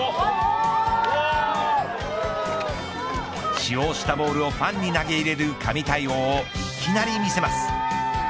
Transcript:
使用したボールをファンに投げ入れる神対応をいきなり見せます。